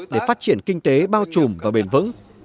để phát triển kinh tế bao trùm và bền vững